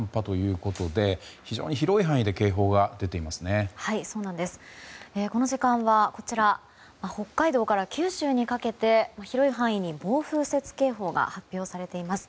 この時間は北海道から九州にかけて広い範囲に暴風雪警報が発表されています。